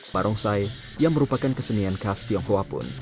barongsai yang merupakan kesenian khas tionghoa pun